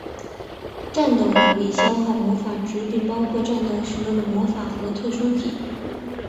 战斗能力消耗魔法值并包括战斗使用的魔法和特殊技。